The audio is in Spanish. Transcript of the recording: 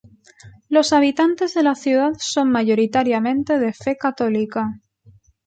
Los habitantes de la ciudad son mayoritariamente de fe católica.